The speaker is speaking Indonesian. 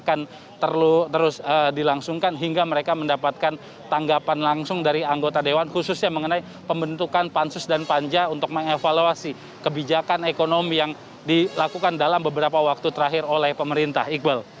yang membuat para buruh ini pesimistis bahwa upah mereka mendapatkan tanggapan langsung dari anggota dewan khususnya mengenai pembentukan pansus dan panja untuk mengevaluasi kebijakan ekonomi yang dilakukan dalam beberapa waktu terakhir oleh pemerintah iqbal